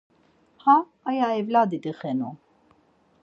Ha aya evladi dixenu.